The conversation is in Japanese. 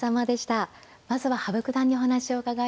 まずは羽生九段にお話を伺います。